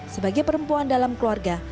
sebagai perempuan dalam keluarga